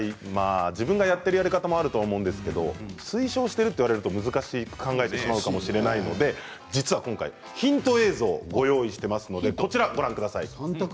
自分がやっているやり方もあると思うんですけれども推奨しているとなると難しく考えてしまうかもしれないので、ヒント映像をご用意しています。